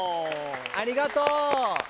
ありがとう！